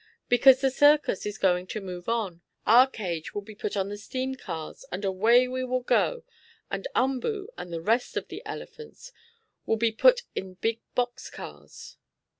"Because the circus is going to move on. Our cage will be put on the steam cars, and away we will go, and Umboo, and the rest of the elephants, will be put in big box cars."